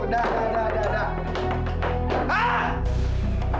dah dah dah